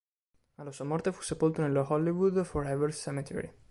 Alla sua morte fu sepolto nello Hollywood Forever Cemetery.